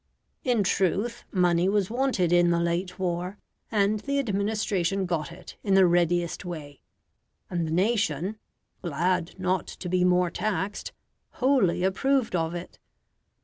In truth money was wanted in the late war, and the administration got it in the readiest way; and the nation, glad not to be more taxed, wholly approved of it.